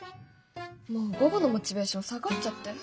もう午後のモチベーション下がっちゃって。